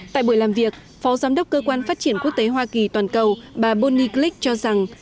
tại buổi làm việc phó giám đốc cơ quan phát triển quốc tế hoa kỳ toàn cầu bà bonnie glick cho rằng